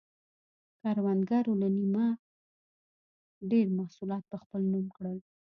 کروندګرو له نییمه ډېر محصولات په خپل نوم کول.